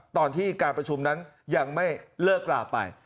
ตอนที่การประชุมนั้นยังไม่เลิกลาไป